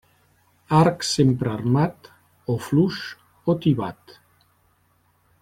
Arc sempre armat, o fluix o tibat.